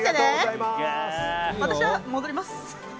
私は戻ります。